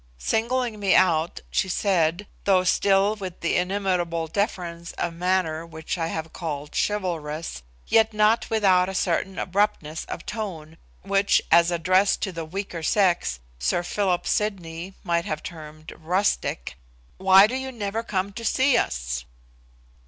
Singling me out, she said, though still with the inimitable deference of manner which I have called 'chivalrous,' yet not without a certain abruptness of tone which, as addressed to the weaker sex, Sir Philip Sydney might have termed 'rustic,' "Why do you never come to see us?"